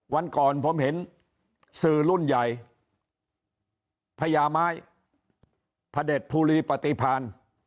วันก่อนผมเห็นสื่อรุ่นใหญ่พญาไม้พระเด็จภูรีปฏิพาณ